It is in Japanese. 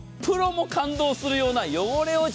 プロも感動するような汚れ落ち。